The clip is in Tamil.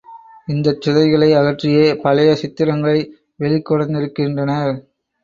இந்தச் சுதைகளை அகற்றியே பழைய சித்திரங்களை வெளிக்கொணர்ந்திருக்கின்றனர்.